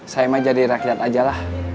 saya mah jadi rakyat ajalah